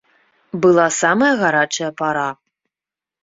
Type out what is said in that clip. Была самая гарачая пара.